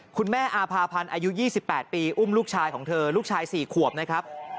คุณแม่อาภาพันธ์อายุ๒๘ปีอุ้มลูกชายของเธอลูกชาย๔ขวบนะครับ